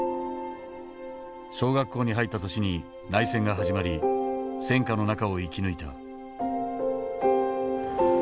小学校に入った年に内戦が始まり戦禍の中を生き抜いた。